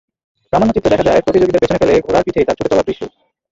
প্রামাণ্যচিত্রে দেখা যায় প্রতিযোগীদের পেছনে ফেলে ঘোড়ার পিঠে তার ছুটে চলার দৃশ্য।